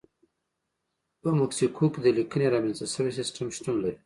په مکسیکو کې د لیکنې رامنځته شوی سیستم شتون لري.